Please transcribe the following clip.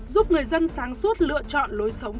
giúp người dân sáng suốt lựa chọn lối sống